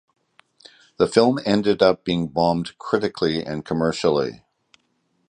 The film ended up being bombed critically and commercially.